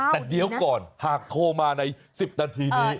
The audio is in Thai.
แต่เดี๋ยวก่อนหากโทรมาใน๑๐นาทีนี้